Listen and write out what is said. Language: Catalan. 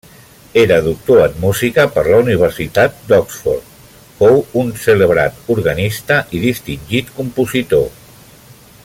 Era doctor en Música per la Universitat d'Oxford, fou un celebrat organista i distingit compositor.